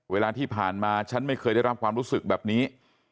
เวลาที่ผ่านมาฉันไม่เคยได้รับความรู้สึกแบบนี้